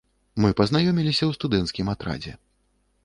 Мы пазнаёміліся ў студэнцкім атрадзе.